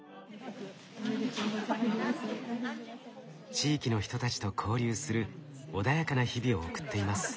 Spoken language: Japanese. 地域の人たちと交流する穏やかな日々を送っています。